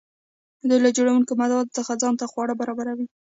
دوی له جوړونکي موادو څخه ځان ته خواړه برابروي.